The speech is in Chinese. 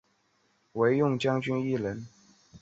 惟用将军一人。